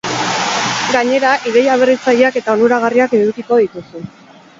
Gainera, ideia berritzaileak eta onuragarriak edukiko dituzu.